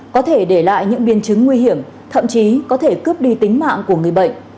có thể để lại những biên chứng nguy hiểm thậm chí có thể cướp đi tính mạng của người bệnh